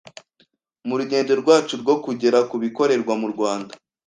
mu rugendo rwacu rwo kugera ku bikorerwa mu Rwanda